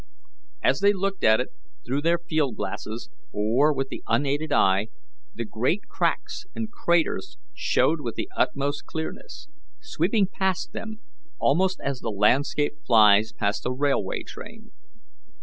As they looked at it through their field glasses or with the unaided eye, the great cracks and craters showed with the utmost clearness, sweeping past them almost as the landscape flies past a railway train.